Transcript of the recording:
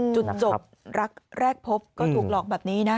จุดจบรักแรกพบก็ถูกหลอกแบบนี้นะ